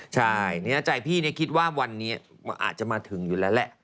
ใช่ใจพี่คิดว่าวันนี้อาจจะมาถึงอยู่แล้วแหละ